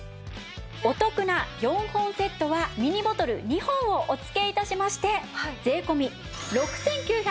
お得な４本セットはミニボトル２本をお付け致しまして税込６９８０円。